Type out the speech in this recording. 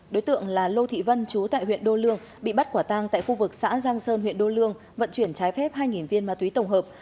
đối tượng là lô thị vân chú tại huyện đô lương bị bắt quả tang tại khu vực xã giang sơn huyện đô lương vận chuyển trái phép hai viên ma túy tổng hợp